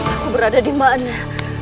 aku berada di mana